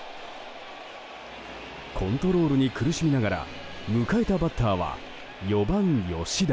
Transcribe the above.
コントロールに苦しみながら迎えたバッターは４番、吉田。